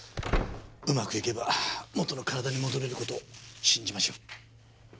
うまくいけば元の体に戻れる事を信じましょう。